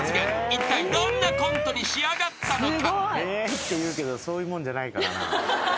［いったいどんなコントに仕上がったのか？］